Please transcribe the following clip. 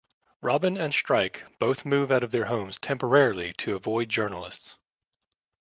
Robin and Strike both move out of their homes temporarily to avoid journalists.